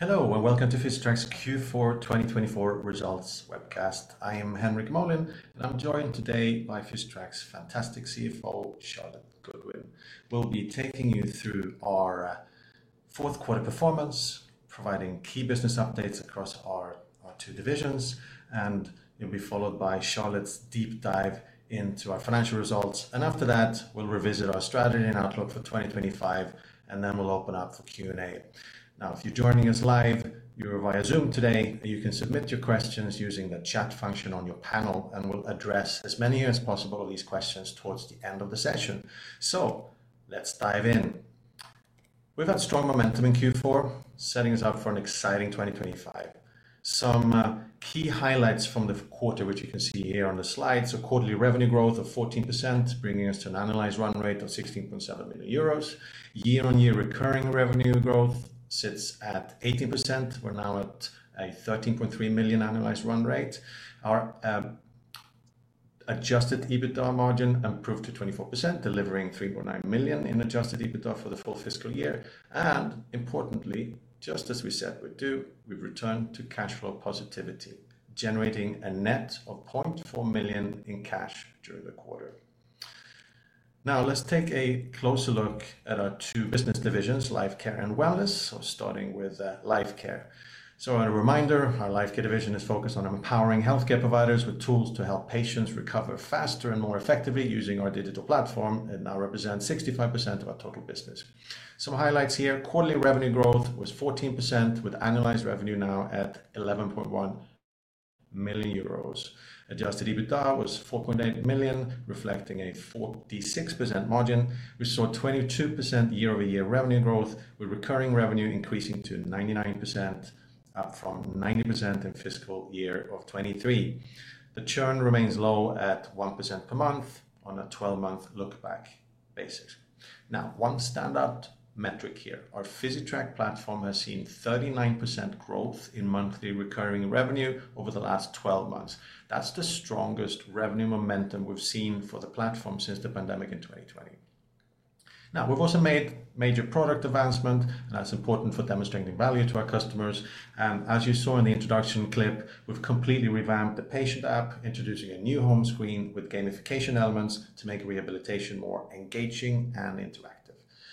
Hello, and welcome to Physitrack's Q4 2024 results webcast. I am Henrik Molin, and I'm joined today by Physitrack's fantastic CFO, Charlotte Goodwin. We'll be taking you through our fourth quarter performance, providing key business updates across our two divisions, and it will be followed by Charlotte's deep dive into our financial results. After that, we'll revisit our strategy and outlook for 2025, and then we'll open up for Q&A. If you're joining us live, you're via Zoom today, and you can submit your questions using the chat function on your panel, and we'll address as many as possible of these questions towards the end of the session. Let's dive in. We've had strong momentum in Q4, setting us up for an exciting 2025. Some key highlights from the quarter, which you can see here on the slide. Quarterly revenue growth of 14%, bringing us to an annualized run rate of 16.7 million euros. Year-on-year recurring revenue growth sits at 18%. We're now at a 13.3 million annualized run rate. Our adjusted EBITDA margin improved to 24%, delivering 3.9 million in adjusted EBITDA for the full fiscal year. Importantly, just as we said we do, we've returned to cash flow positivity, generating a net of 0.4 million in cash during the quarter. Now, let's take a closer look at our two business divisions: Lifecare and Wellness. Starting with Lifecare. A reminder, our Lifecare division is focused on empowering healthcare providers with tools to help patients recover faster and more effectively using our digital platform, and now represents 65% of our total business. Some highlights here: quarterly revenue growth was 14%, with annualized revenue now at 11.1 million euros. Adjusted EBITDA was 4.8 million, reflecting a 46% margin. We saw 22% year-over-year revenue growth, with recurring revenue increasing to 99%, up from 90% in fiscal year of 2023. The churn remains low at 1% per month on a 12-month look-back basis. Now, one standout metric here: our Physitrack platform has seen 39% growth in monthly recurring revenue over the last 12 months. That is the strongest revenue momentum we have seen for the platform since the pandemic in 2020. We have also made major product advancements, and that is important for demonstrating value to our customers. As you saw in the introduction clip, we have completely revamped the patient app, introducing a new home screen with gamification elements to make rehabilitation more engaging and interactive.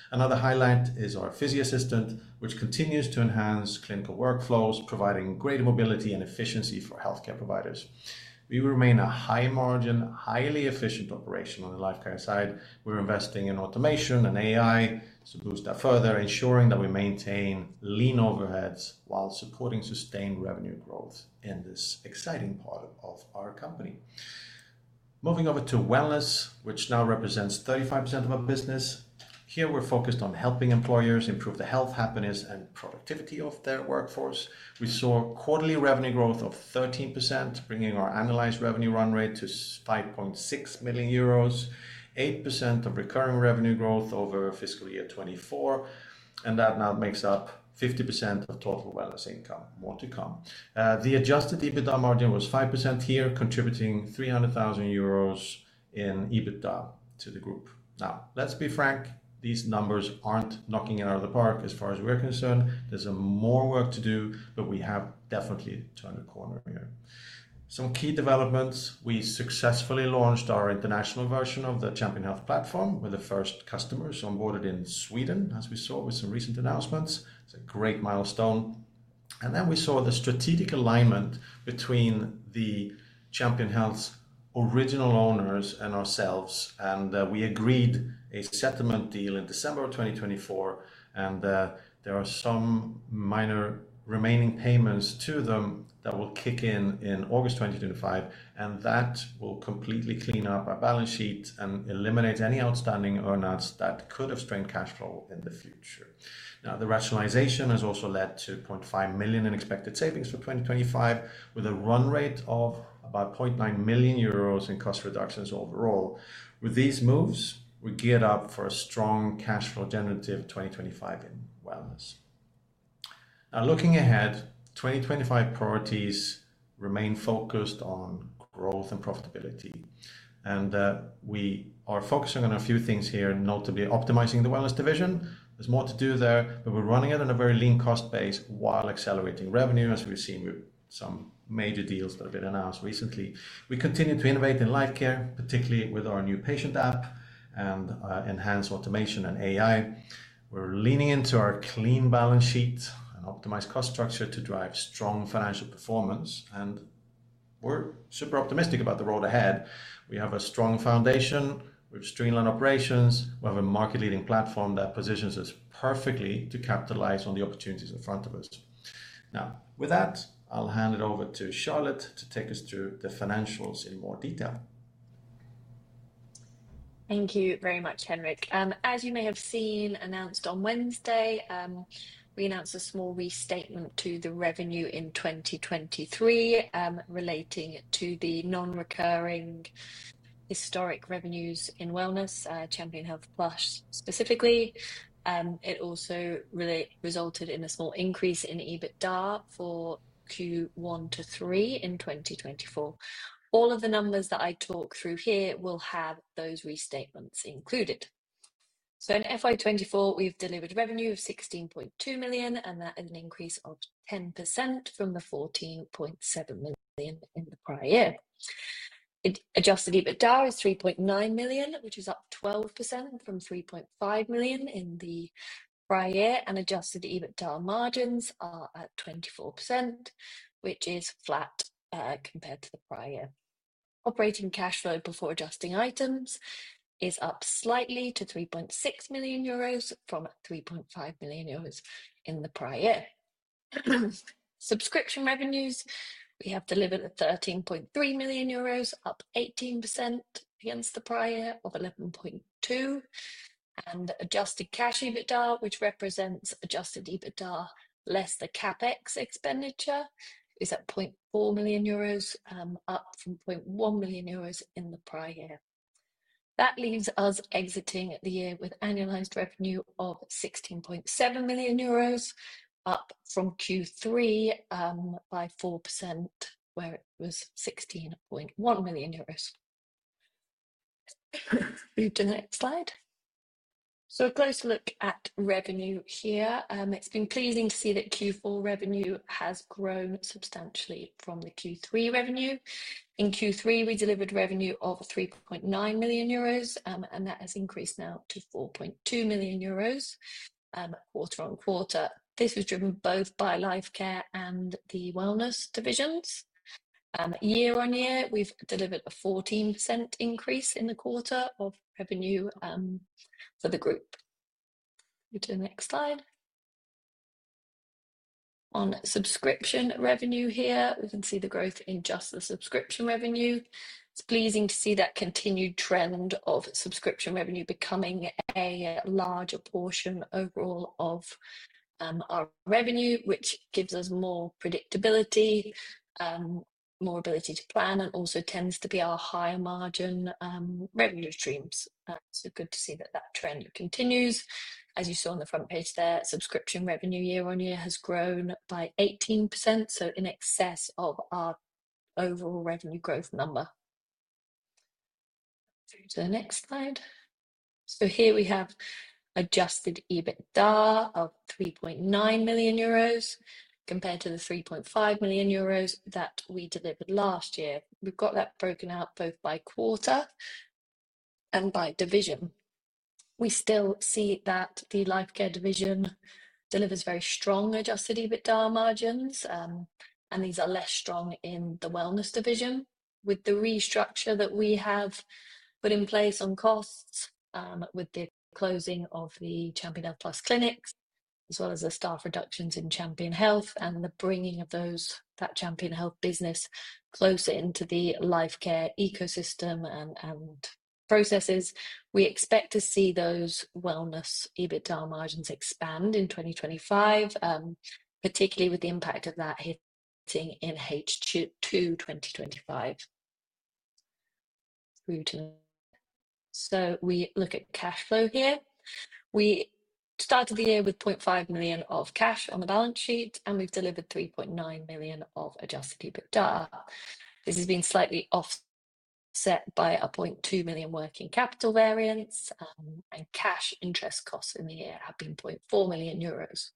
Another highlight is our PhysiAssistant, which continues to enhance clinical workflows, providing greater mobility and efficiency for healthcare providers. We remain a high-margin, highly efficient operation on the Lifecare side. We're investing in automation and AI to boost that further, ensuring that we maintain lean overheads while supporting sustained revenue growth in this exciting part of our company. Moving over to Wellness, which now represents 35% of our business. Here, we're focused on helping employers improve the health, happiness, and productivity of their workforce. We saw quarterly revenue growth of 13%, bringing our annualized revenue run rate to 5.6 million euros, 8% of recurring revenue growth over fiscal year 2024, and that now makes up 50% of total Wellness income. More to come. The adjusted EBITDA margin was 5% here, contributing 300,000 euros in EBITDA to the group. Now, let's be frank, these numbers aren't knocking it out of the park as far as we're concerned. There's more work to do, but we have definitely turned the corner here. Some key developments: we successfully launched our international version of the Champion Health platform, with the first customers onboarded in Sweden, as we saw with some recent announcements. It is a great milestone. We saw the strategic alignment between Champion Health's original owners and ourselves, and we agreed a settlement deal in December 2024. There are some minor remaining payments to them that will kick in in August 2025, and that will completely clean up our balance sheet and eliminate any outstanding earnings that could have strained cash flow in the future. The rationalization has also led to 0.5 million in expected savings for 2025, with a run rate of about 0.9 million euros in cost reductions overall. With these moves, we are geared up for a strong cash flow generative 2025 in Wellness. Now, looking ahead, 2025 priorities remain focused on growth and profitability, and we are focusing on a few things here, notably optimizing the Wellness division. There's more to do there, but we're running it on a very lean cost base while accelerating revenue, as we've seen with some major deals that have been announced recently. We continue to innovate in Lifecare, particularly with our new patient app and enhanced automation and AI. We're leaning into our clean balance sheet and optimized cost structure to drive strong financial performance, and we're super optimistic about the road ahead. We have a strong foundation, we've streamlined operations, we have a market-leading platform that positions us perfectly to capitalize on the opportunities in front of us. Now, with that, I'll hand it over to Charlotte to take us through the financials in more detail. Thank you very much, Henrik. As you may have seen announced on Wednesday, we announced a small restatement to the revenue in 2023 relating to the non-recurring historic revenues in Wellness, Champion Health Plus specifically. It also resulted in a small increase in EBITDA for Q1 to Q3 in 2024. All of the numbers that I talk through here will have those restatements included. In FY 2024, we have delivered revenue of 16.2 million, and that is an increase of 10% from the 14.7 million in the prior year. Adjusted EBITDA is 3.9 million, which is up 12% from 3.5 million in the prior year, and adjusted EBITDA margins are at 24%, which is flat compared to the prior year. Operating cash flow before adjusting items is up slightly to 3.6 million euros from 3.5 million euros in the prior year. Subscription revenues, we have delivered 13.3 million euros, up 18% against the prior year of 11.2 million, and adjusted cash EBITDA, which represents adjusted EBITDA less the CapEx expenditure, is at 0.4 million euros, up from 0.1 million euros in the prior year. That leaves us exiting the year with annualized revenue of 16.7 million euros, up from Q3 by 4%, where it was 16.1 million euros. Move to the next slide. A close look at revenue here. It's been pleasing to see that Q4 revenue has grown substantially from the Q3 revenue. In Q3, we delivered revenue of 3.9 million euros, and that has increased now to 4.2 million euros quarter-on-quarter. This was driven both by Lifecare and the Wellness divisions. Year-on-year, we've delivered a 14% increase in the quarter of revenue for the group. Move to the next slide. On subscription revenue here, we can see the growth in just the subscription revenue. It's pleasing to see that continued trend of subscription revenue becoming a larger portion overall of our revenue, which gives us more predictability, more ability to plan, and also tends to be our higher margin revenue streams. Good to see that that trend continues. As you saw on the front page there, subscription revenue year on year has grown by 18%, so in excess of our overall revenue growth number. Move to the next slide. Here we have adjusted EBITDA of 3.9 million euros compared to the 3.5 million euros that we delivered last year. We've got that broken out both by quarter and by division. We still see that the Lifecare division delivers very strong adjusted EBITDA margins, and these are less strong in the Wellness division. With the restructure that we have put in place on costs, with the closing of the Champion Health Plus clinics, as well as the staff reductions in Champion Health and the bringing of that Champion Health business closer into the Lifecare ecosystem and processes, we expect to see those Wellness EBITDA margins expand in 2025, particularly with the impact of that hitting in H2 2025. Move to the next slide. We look at cash flow here. We started the year with 0.5 million of cash on the balance sheet, and we've delivered 3.9 million of adjusted EBITDA. This has been slightly offset by a 0.2 million working capital variance, and cash interest costs in the year have been 0.4 million euros.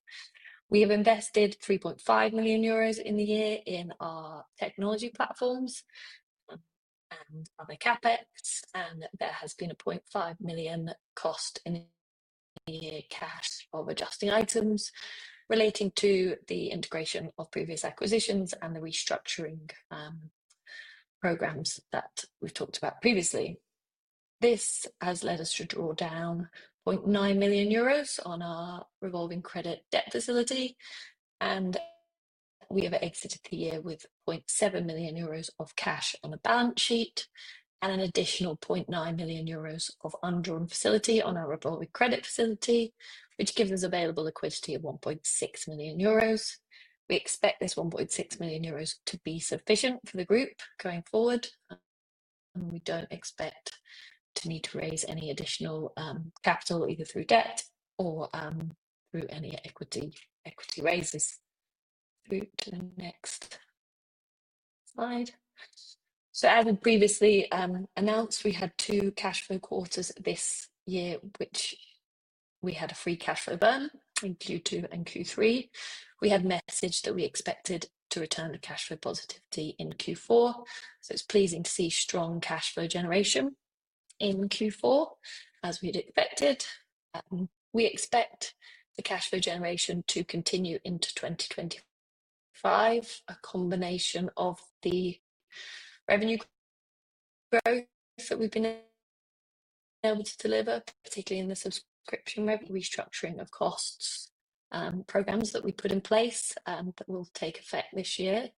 We have invested 3.5 million euros in the year in our technology platforms and other CapEx, and there has been a 0.5 million cost in the year cash of adjusting items relating to the integration of previous acquisitions and the restructuring programs that we've talked about previously. This has led us to draw down 0.9 million euros on our revolving credit debt facility, and we have exited the year with 0.7 million euros of cash on the balance sheet and an additional 0.9 million euros of undrawn facility on our revolving credit facility, which gives us available liquidity of 1.6 million euros. We expect this 1.6 million euros to be sufficient for the group going forward, and we don't expect to need to raise any additional capital either through debt or through any equity raises. Move to the next slide. As we previously announced, we had two cash flow quarters this year, which we had a free cash flow burn in Q2 and Q3. We had messaged that we expected to return to cash flow positivity in Q4, so it's pleasing to see strong cash flow generation in Q4, as we had expected. We expect the cash flow generation to continue into 2025, a combination of the revenue growth that we've been able to deliver, particularly in the subscription. Restructuring of costs and programs that we put in place that will take effect this year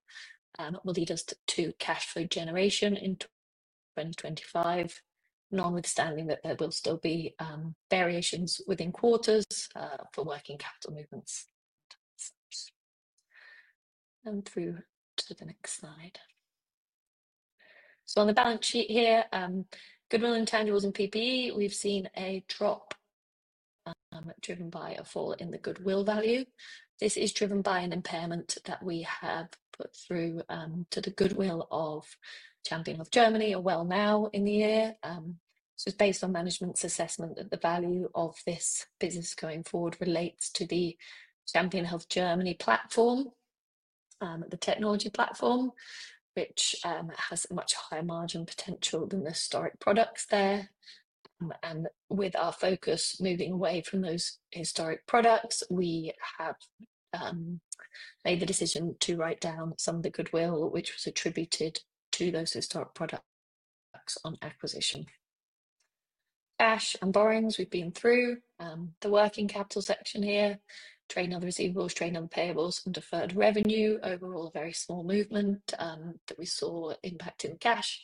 will lead us to cash flow generation in 2025, notwithstanding that there will still be variations within quarters for working capital movements. Through to the next slide. On the balance sheet here, goodwill, intangibles, and PPE, we've seen a drop driven by a fall in the goodwill value. This is driven by an impairment that we have put through to the goodwill of Champion Health Germany or Wellnow in the year. This is based on management's assessment that the value of this business going forward relates to the Champion Health Germany platform, the technology platform, which has a much higher margin potential than the historic products there. With our focus moving away from those historic products, we have made the decision to write down some of the goodwill which was attributed to those historic products on acquisition. Cash and borrowings, we've been through the working capital section here, train of receivables, train of payables, and deferred revenue. Overall, a very small movement that we saw impact in cash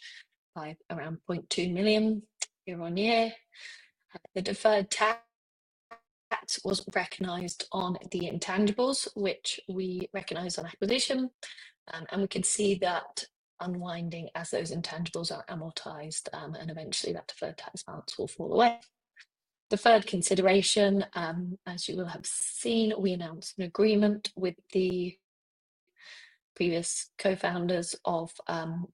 by around 0.2 million year-on-year. The deferred tax was recognized on the intangibles, which we recognize on acquisition, and we can see that unwinding as those intangibles are amortized and eventually that deferred tax balance will fall away. The third consideration, as you will have seen, we announced an agreement with the previous co-founders of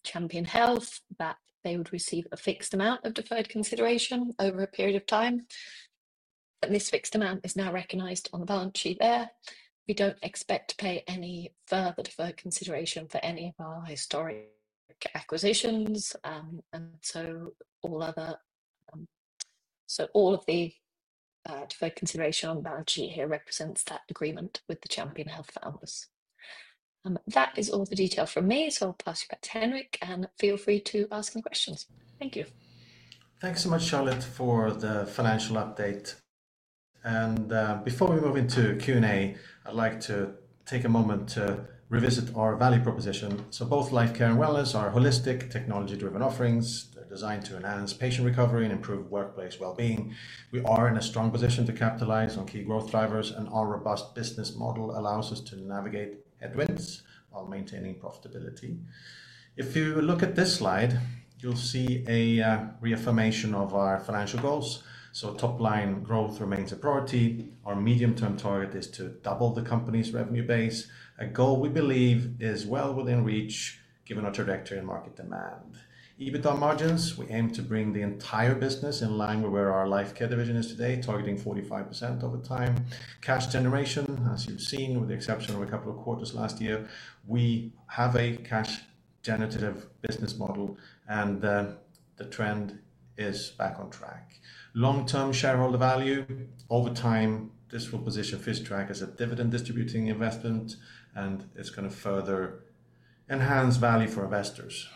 Champion Health that they would receive a fixed amount of deferred consideration over a period of time. This fixed amount is now recognized on the balance sheet there. We do not expect to pay any further deferred consideration for any of our historic acquisitions, and all of the deferred consideration on the balance sheet here represents that agreement with the Champion Health founders. That is all the detail from me, so I will pass you back to Henrik, and feel free to ask any questions. Thank you. Thanks so much, Charlotte, for the financial update. Before we move into Q&A, I'd like to take a moment to revisit our value proposition. Both Lifecare and Wellness are holistic technology-driven offerings. They're designed to enhance patient recovery and improve workplace well-being. We are in a strong position to capitalize on key growth drivers, and our robust business model allows us to navigate headwinds while maintaining profitability. If you look at this slide, you'll see a reaffirmation of our financial goals. Top-line growth remains a priority. Our medium-term target is to double the company's revenue base, a goal we believe is well within reach given our trajectory and market demand. EBITDA margins, we aim to bring the entire business in line with where our Lifecare division is today, targeting 45% over time. Cash generation, as you've seen, with the exception of a couple of quarters last year, we have a cash-generative business model, and the trend is back on track. Long-term shareholder value, over time, this will position Physitrack as a dividend-distributing investment, and it's going to further enhance value for investors.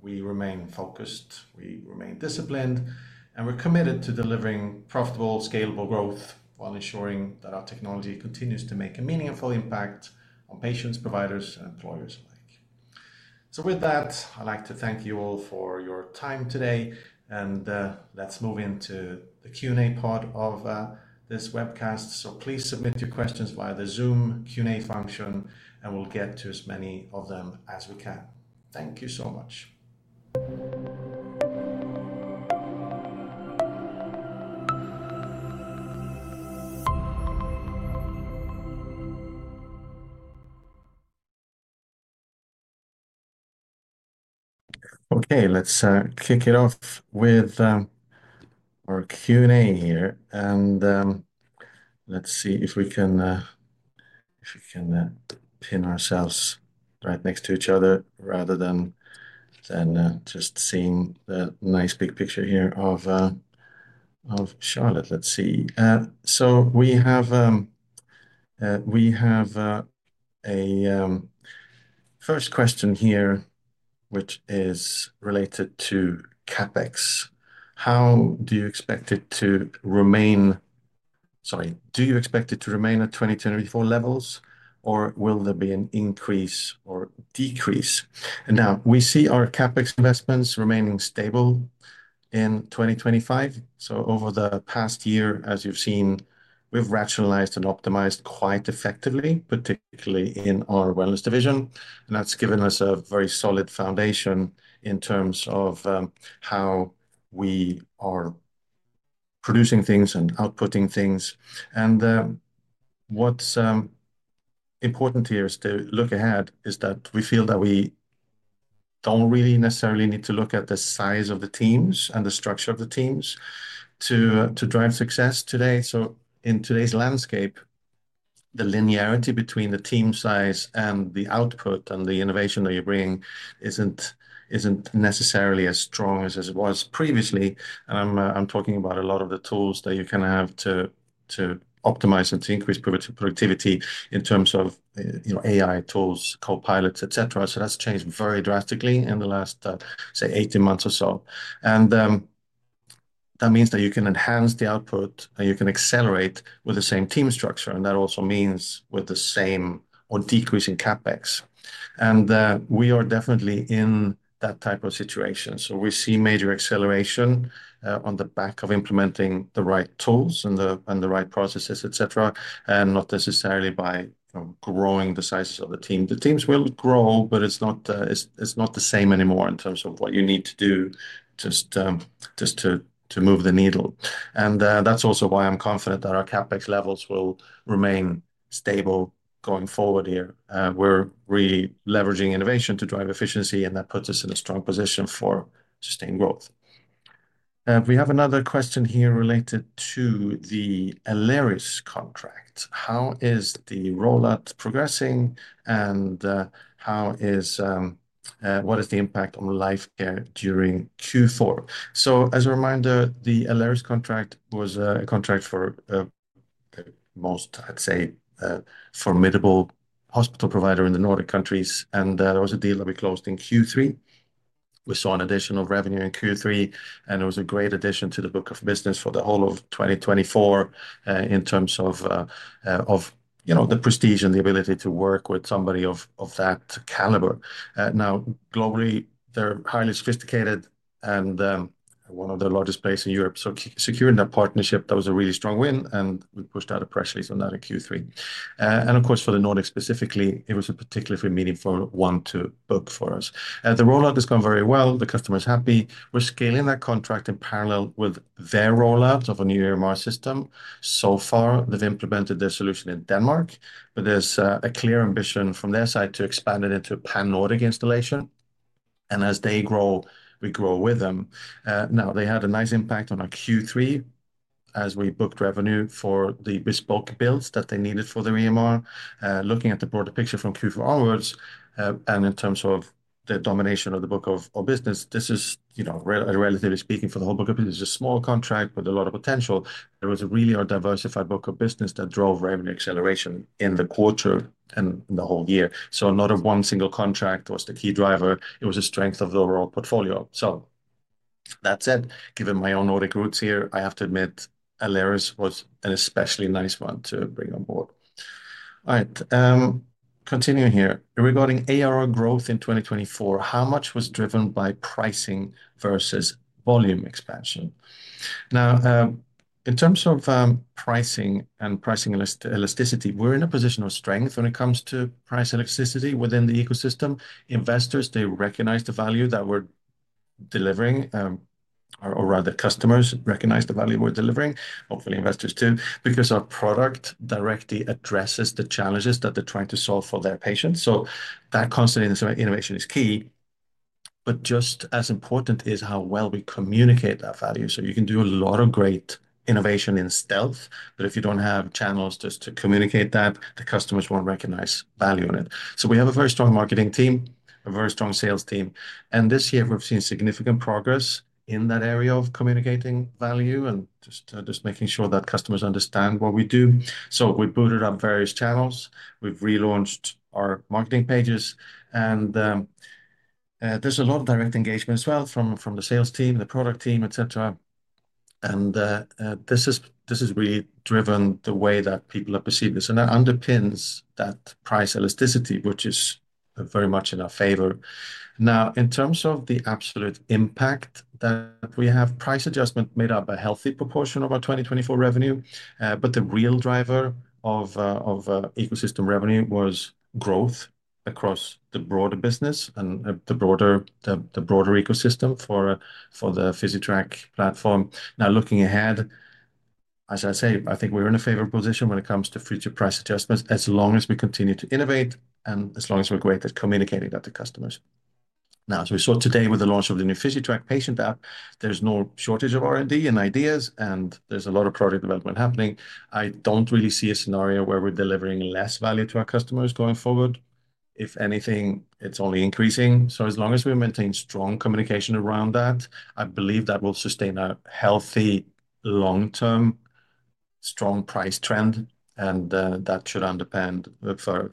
We remain focused, we remain disciplined, and we're committed to delivering profitable, scalable growth while ensuring that our technology continues to make a meaningful impact on patients, providers, and employers alike. With that, I'd like to thank you all for your time today, and let's move into the Q&A part of this webcast. Please submit your questions via the Zoom Q&A function, and we'll get to as many of them as we can. Thank you so much. Okay, let's kick it off with our Q&A here, and let's see if we can pin ourselves right next to each other rather than just seeing the nice big picture here of Charlotte. Let's see. We have a first question here, which is related to CapEx. How do you expect it to remain? Sorry, do you expect it to remain at 2024 levels, or will there be an increase or decrease? We see our CapEx investments remaining stable in 2025. Over the past year, as you've seen, we've rationalized and optimized quite effectively, particularly in our Wellness division, and that's given us a very solid foundation in terms of how we are producing things and outputting things. What's important here to look ahead is that we feel that we don't really necessarily need to look at the size of the teams and the structure of the teams to drive success today. In today's landscape, the linearity between the team size and the output and the innovation that you bring isn't necessarily as strong as it was previously. I'm talking about a lot of the tools that you can have to optimize and to increase productivity in terms of AI tools, copilots, etc. That has changed very drastically in the last, say, 18 months or so. That means that you can enhance the output, and you can accelerate with the same team structure, and that also means with the same or decreasing CapEx. We are definitely in that type of situation. We see major acceleration on the back of implementing the right tools and the right processes, etc., and not necessarily by growing the sizes of the team. The teams will grow, but it's not the same anymore in terms of what you need to do just to move the needle. That's also why I'm confident that our CapEx levels will remain stable going forward here. We're really leveraging innovation to drive efficiency, and that puts us in a strong position for sustained growth. We have another question here related to the Aleris contract. How is the rollout progressing, and what is the impact on Lifecare during Q4? As a reminder, the Aleris contract was a contract for the most, I'd say, formidable hospital provider in the Nordic countries, and there was a deal that we closed in Q3. We saw an additional revenue in Q3, and it was a great addition to the book of business for the whole of 2024 in terms of the prestige and the ability to work with somebody of that caliber. Now, globally, they're highly sophisticated and one of their largest players in Europe. Securing that partnership, that was a really strong win, and we pushed out a press release on that in Q3. Of course, for the Nordics specifically, it was a particularly meaningful one to book for us. The rollout has gone very well. The customer is happy. We're scaling that contract in parallel with their rollout of a new EMR system. So far, they've implemented their solution in Denmark, but there's a clear ambition from their side to expand it into a pan-Nordic installation. As they grow, we grow with them. Now, they had a nice impact on our Q3 as we booked revenue for the bespoke builds that they needed for their EMR. Looking at the broader picture from Q4 onwards, and in terms of the domination of the book of business, this is, relatively speaking, for the whole book of business, a small contract with a lot of potential. It was really our diversified book of business that drove revenue acceleration in the quarter and the whole year. Not a one single contract was the key driver. It was a strength of the overall portfolio. That said, given my own Nordic roots here, I have to admit Aleris was an especially nice one to bring on board. All right, continuing here. Regarding ARR growth in 2024, how much was driven by pricing versus volume expansion? Now, in terms of pricing and pricing elasticity, we're in a position of strength when it comes to price elasticity within the ecosystem. Investors, they recognize the value that we're delivering, or rather, customers recognize the value we're delivering. Hopefully, investors too, because our product directly addresses the challenges that they're trying to solve for their patients. That constant innovation is key, but just as important is how well we communicate that value. You can do a lot of great innovation in stealth, but if you don't have channels just to communicate that, the customers won't recognize value in it. We have a very strong marketing team, a very strong sales team, and this year, we've seen significant progress in that area of communicating value and just making sure that customers understand what we do. We booted up various channels. We've relaunched our marketing pages, and there's a lot of direct engagement as well from the sales team, the product team, etc. This has really driven the way that people have perceived this, and that underpins that price elasticity, which is very much in our favor. Now, in terms of the absolute impact that we have, price adjustment made up a healthy proportion of our 2024 revenue, but the real driver of ecosystem revenue was growth across the broader business and the broader ecosystem for the Physitrack platform. Now, looking ahead, as I say, I think we're in a favorable position when it comes to future price adjustments as long as we continue to innovate and as long as we're great at communicating that to customers. Now, as we saw today with the launch of the new Physitrack Patient App, there's no shortage of R&D and ideas, and there's a lot of project development happening. I don't really see a scenario where we're delivering less value to our customers going forward. If anything, it's only increasing. As long as we maintain strong communication around that, I believe that will sustain a healthy long-term strong price trend, and that should underplan for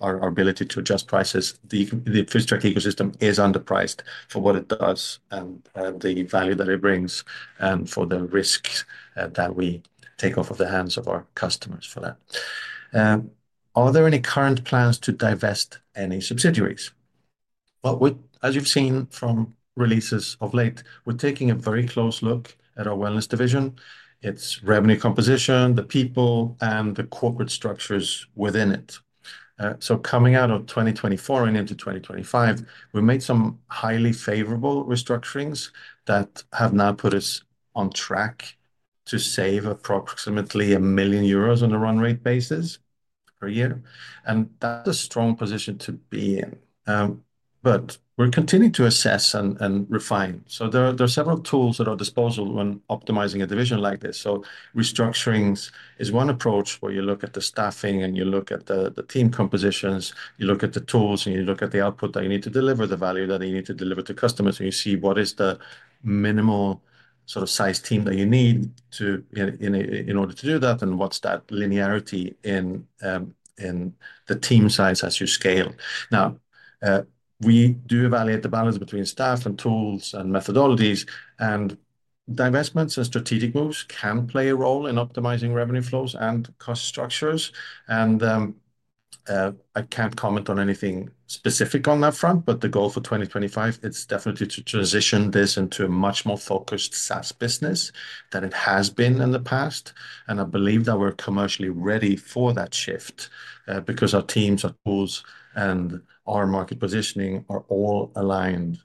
our ability to adjust prices. The Physitrack ecosystem is underpriced for what it does and the value that it brings and for the risks that we take off of the hands of our customers for that. Are there any current plans to divest any subsidiaries? As you've seen from releases of late, we're taking a very close look at our Wellness division, its revenue composition, the people, and the corporate structures within it. Coming out of 2024 and into 2025, we made some highly favorable restructurings that have now put us on track to save approximately 1 million euros on a run rate basis per year, and that's a strong position to be in. We're continuing to assess and refine. There are several tools at our disposal when optimizing a division like this. Restructuring is one approach where you look at the staffing and you look at the team compositions, you look at the tools, and you look at the output that you need to deliver, the value that you need to deliver to customers, and you see what is the minimal sort of size team that you need in order to do that, and what's that linearity in the team size as you scale. Now, we do evaluate the balance between staff and tools and methodologies, and divestments and strategic moves can play a role in optimizing revenue flows and cost structures. I can't comment on anything specific on that front, but the goal for 2025, it's definitely to transition this into a much more focused SaaS business than it has been in the past. I believe that we're commercially ready for that shift because our teams, our tools, and our market positioning are all aligned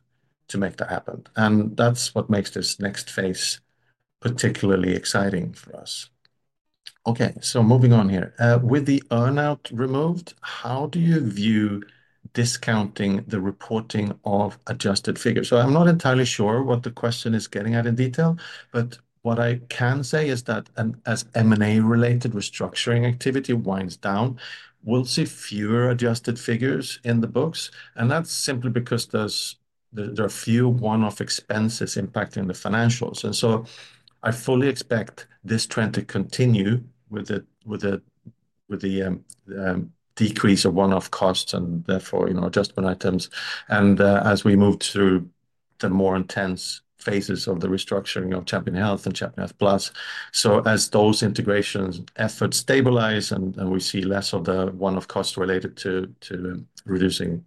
to make that happen. That's what makes this next phase particularly exciting for us. Okay, moving on here. With the earnout removed, how do you view discounting the reporting of adjusted figures? I'm not entirely sure what the question is getting at in detail, but what I can say is that as M&A-related restructuring activity winds down, we'll see fewer adjusted figures in the books, and that's simply because there are few one-off expenses impacting the financials. I fully expect this trend to continue with the decrease of one-off costs and therefore adjustment items. As we move through the more intense phases of the restructuring of Champion Health and Champion Health Plus, as those integration efforts stabilize and we see less of the one-off costs related to reducing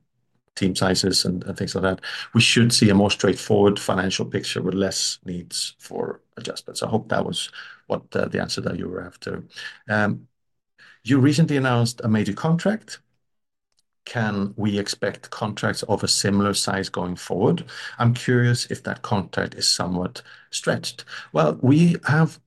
team sizes and things like that, we should see a more straightforward financial picture with less needs for adjustments. I hope that was the answer that you were after. You recently announced a major contract. Can we expect contracts of a similar size going forward? I'm curious if that contract is somewhat stretched. We have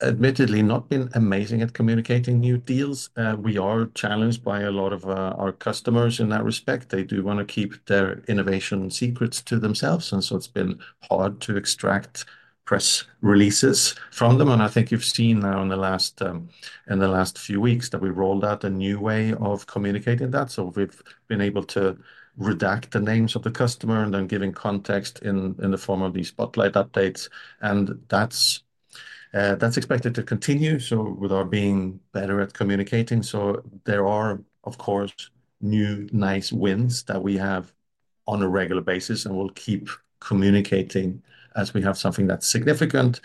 admittedly not been amazing at communicating new deals. We are challenged by a lot of our customers in that respect. They do want to keep their innovation secrets to themselves, and it has been hard to extract press releases from them. I think you have seen now in the last few weeks that we rolled out a new way of communicating that. We have been able to redact the names of the customer and then give them context in the form of these spotlight updates, and that is expected to continue with our being better at communicating. There are, of course, new nice wins that we have on a regular basis, and we will keep communicating as we have something that is significant,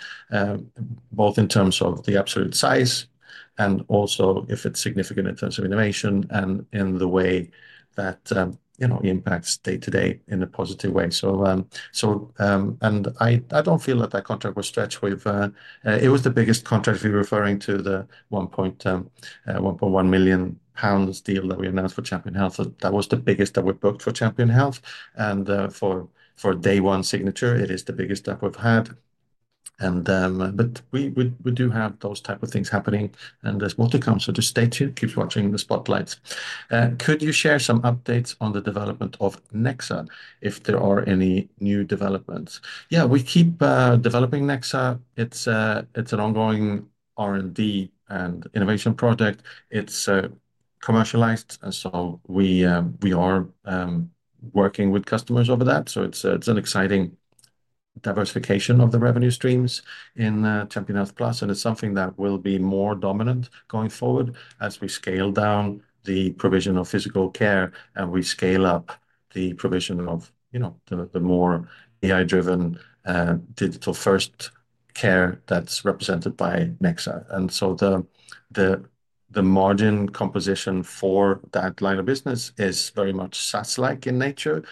both in terms of the absolute size and also if it is significant in terms of innovation and in the way that impacts day-to-day in a positive way. I do not feel that that contract was stretched with. It was the biggest contract we were referring to, the 1.1 million pounds deal that we announced for Champion Health. That was the biggest that we booked for Champion Health. For Day One Signature, it is the biggest that we have had. We do have those types of things happening, and there is more to come. Just stay tuned. Keep watching the spotlights. Could you share some updates on the development of Nexa if there are any new developments? Yeah, we keep developing Nexa. It's an ongoing R&D and innovation project. It's commercialized, and we are working with customers over that. It's an exciting diversification of the revenue streams in Champion Health Plus, and it's something that will be more dominant going forward as we scale down the provision of physical care and we scale up the provision of the more AI-driven digital-first care that's represented by Nexa. The margin composition for that line of business is very much SaaS-like in nature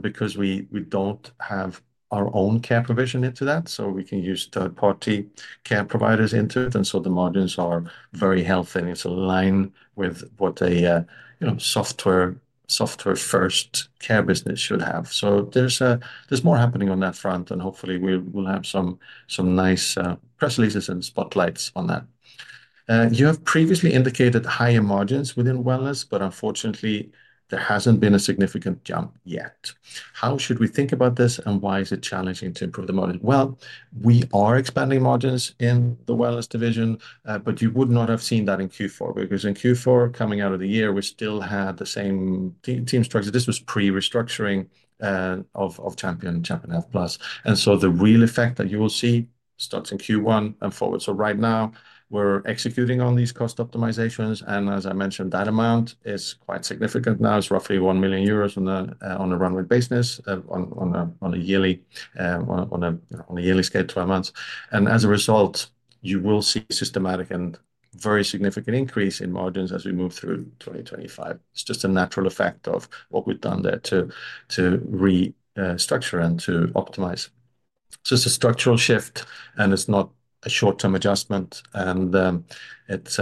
because we don't have our own care provision into that. We can use third-party care providers into it, and the margins are very healthy, and it's aligned with what a software-first care business should have. There's more happening on that front, and hopefully, we'll have some nice press releases and spotlights on that. You have previously indicated higher margins within Wellness, but unfortunately, there has not been a significant jump yet. How should we think about this, and why is it challenging to improve the margin? We are expanding margins in the Wellness division, but you would not have seen that in Q4 because in Q4, coming out of the year, we still had the same team structure. This was pre-restructuring of Champion and Champion Health Plus. The real effect that you will see starts in Q1 and forward. Right now, we are executing on these cost optimizations, and as I mentioned, that amount is quite significant now. It is roughly 1 million euros on a runway business on a yearly scale to our months. As a result, you will see a systematic and very significant increase in margins as we move through 2025. It's just a natural effect of what we've done there to restructure and to optimize. It's a structural shift, and it's not a short-term adjustment, and it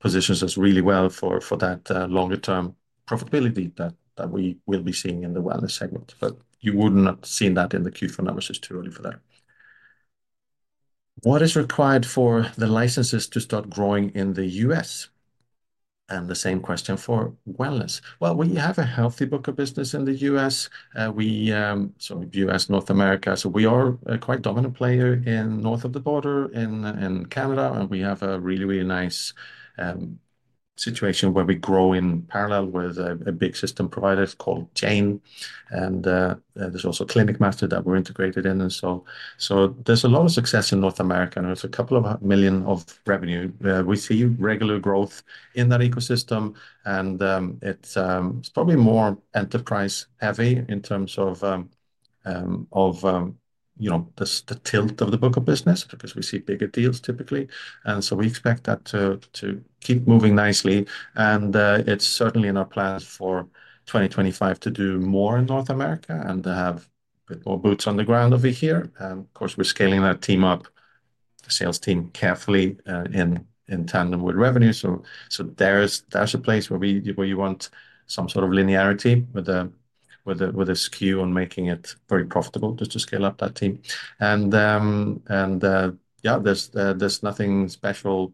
positions us really well for that longer-term profitability that we will be seeing in the Wellness segment. You wouldn't have seen that in the Q4 numbers. It's too early for that. What is required for the licenses to start growing in the U.S.? The same question for Wellness. We have a healthy book of business in the U.S., so U.S., North America. We are a quite dominant player north of the border in Canada, and we have a really, really nice situation where we grow in parallel with a big system provider called Jane. There's also Clinicmaster that we're integrated in. There is a lot of success in North America, and there is a couple of million of revenue. We see regular growth in that ecosystem, and it is probably more enterprise-heavy in terms of the tilt of the book of business because we see bigger deals typically. We expect that to keep moving nicely, and it is certainly in our plans for 2025 to do more in North America and to have a bit more boots on the ground over here. Of course, we are scaling that team up, the sales team carefully in tandem with revenue. There is a place where you want some sort of linearity with a SKU on making it very profitable just to scale up that team. There is nothing special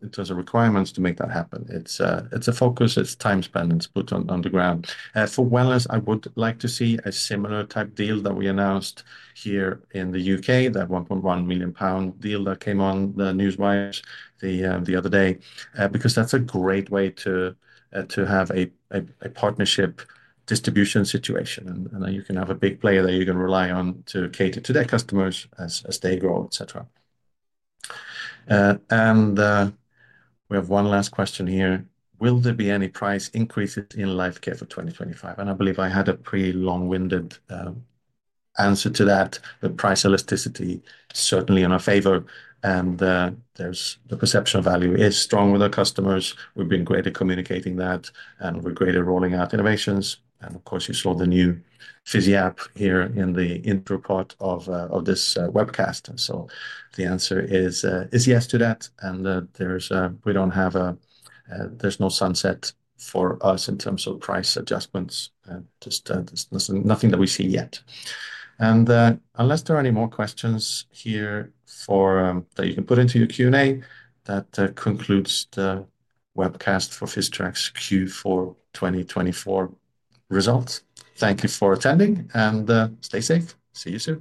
in terms of requirements to make that happen. It is a focus, it is time spent, and it is put on the ground. For Wellness, I would like to see a similar type deal that we announced here in the U.K., that 1.1 million pound deal that came on the newswires the other day, because that's a great way to have a partnership distribution situation, and you can have a big player that you can rely on to cater to their customers as they grow, etc. We have one last question here. Will there be any price increases in Lifecare for 2025? I believe I had a pretty long-winded answer to that. The price elasticity is certainly in our favor, and the perception of value is strong with our customers. We've been great at communicating that, and we're great at rolling out innovations. Of course, you saw the new Physitrack Patient App here in the intro part of this webcast. The answer is yes to that, and we do not have a—there is no sunset for us in terms of price adjustments. Just nothing that we see yet. Unless there are any more questions here that you can put into your Q&A, that concludes the webcast for Physitrack's Q4 2024 results. Thank you for attending, and stay safe. See you soon.